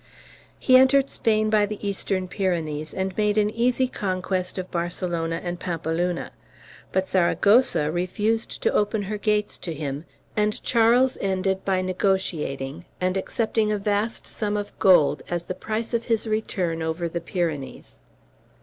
He entered Spain by the Eastern Pyrenees, and made an easy conquest of Barcelona and Pampeluna. But Saragossa refused to open her gates to him, and Charles ended by negotiating and accepting a vast sum of gold as the price of his return over the Pyrenees.